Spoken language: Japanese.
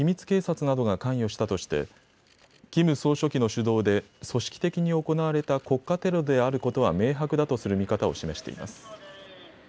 警察などが関与したとしてキム総書記の主導で組織的に行われた国家テロであることは明白だとする見方を示しています。